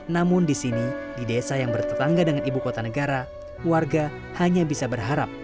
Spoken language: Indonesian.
namun di sini di desa yang bertetangga dengan ibu kota negara warga hanya bisa berharap